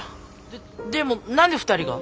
ででも何で２人が？